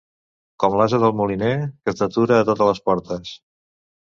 Com l'ase del moliner, que es detura a totes les portes.